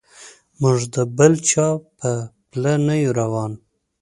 موږ د بل چا په پله نه یو روان.